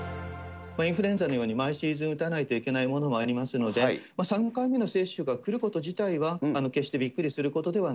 インフルエンザのように毎シーズン打たないといけないものもありますので、３回目の接種がくること自体は、決してびっくりす